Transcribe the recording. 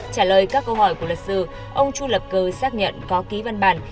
trả lời các câu hỏi của luật sư ông chu lập cơ xác nhận có ký văn bản